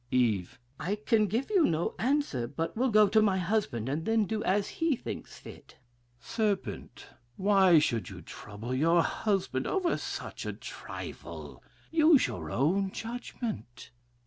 "Eve. I can give you no answer; but will go to my husband, and then do as he thinks fit. "Serp. Why should you trouble your husband over such a trifle! Use your own judgment.